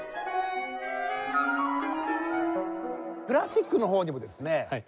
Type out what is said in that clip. クラシックの方にもですね